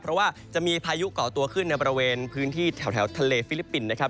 เพราะว่าจะมีพายุก่อตัวขึ้นในบริเวณพื้นที่แถวทะเลฟิลิปปินส์นะครับ